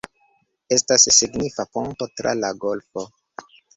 Estas signifa ponto tra la golfo.